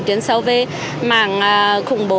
chuyển sâu về mảng khủng bố